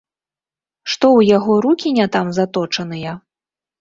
Што ў яго рукі не там заточаныя?